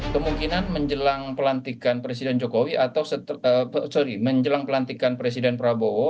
kemungkinan menjelang pelantikan presiden jokowi atau sorry menjelang pelantikan presiden prabowo